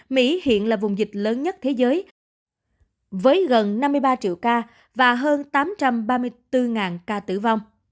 mỹ hiện là vùng dịch lớn nhất thế giới với gần năm mươi ba triệu ca và hơn tám trăm ba mươi bốn ca tử vong